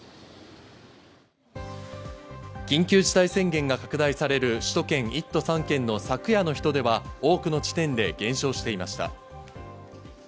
緊急事態宣言が拡大される首都圏１都３県の昨夜の人出は多くの地点で減少していました。